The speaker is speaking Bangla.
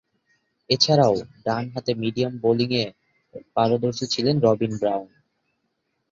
এছাড়াও, ডানহাতে মিডিয়াম বোলিংয়ে পারদর্শী ছিলেন রবিন ব্রাউন।